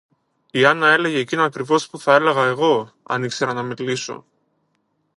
Η Άννα έλεγε εκείνα ακριβώς που θα έλεγα εγώ, αν ήξερα να μιλήσω